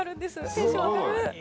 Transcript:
テンション上がる！